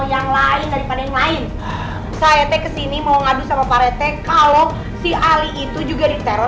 yang lain daripada yang lain saya teh kesini mau ngadu sama parete kalau si ali itu juga diteror